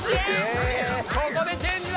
ここでチェンジだ。